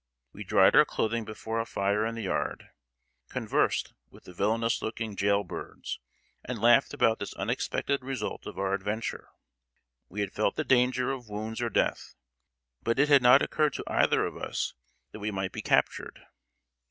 We dried our clothing before a fire in the yard, conversed with the villainous looking jail birds, and laughed about this unexpected result of our adventure. We had felt the danger of wounds or death; but it had not occurred to either of us that we might be captured.